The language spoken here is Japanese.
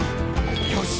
「よし！